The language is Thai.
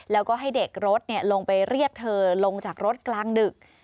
แล้วก็ให้เด็กรถลงไปเรียกเธอลงจากรถกลางดึก